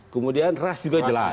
kemudian ras juga jelas